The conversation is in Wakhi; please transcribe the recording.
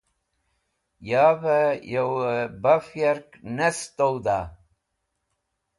Yavẽ yo baf yark ne sẽtowda?